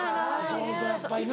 そうそうやっぱりな。